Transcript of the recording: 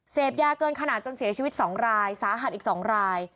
เสพยาเกินขนาดจนเสียชีวิต๒รายสาหัสอีก๒ราย